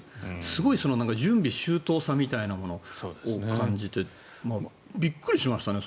すごい準備周到さみたいなものを感じてびっくりしましたね。